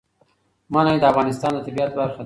منی د افغانستان د طبیعت برخه ده.